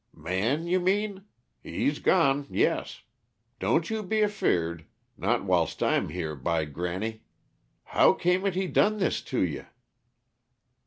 "Man, you mean? He's gone, yes. Don't you be afeared not whilst I'm here, by granny! How came it he done this to ye?"